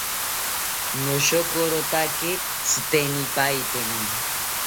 Noshokorotake tzitenipaeteni